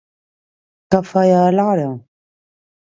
Què feia a l'hora?